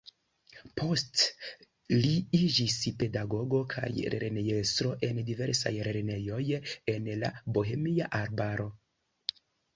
Poste li iĝis pedagogo kaj lernejestro en diversaj lernejoj en la Bohemia arbaro.